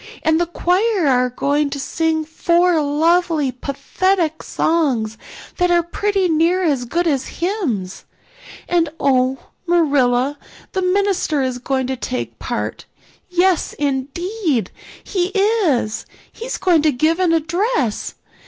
And the choir are going to sing four lovely pathetic songs that are pretty near as good as hymns. And oh, Marilla, the minister is going to take part; yes, indeed, he is; he's going to give an address.